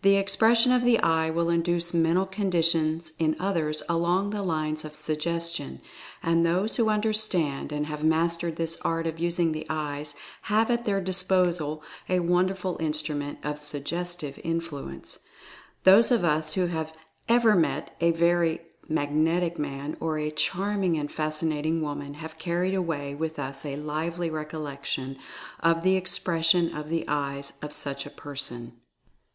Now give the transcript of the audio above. The expression of the eye will induce mental conditions in others along the lines of Suggestion, and those who understand and have mastered this art of using the eyes have .at their disposal a wonderful instrument of Suggestive Influ ence. Those of us who have ever met a very "mag netic" man, or a "charming and fascinating" woman, have carried away with us a lively recollection of "the expression of the eyes" of such a person.